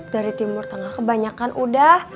dari timur tengah kebanyakan udah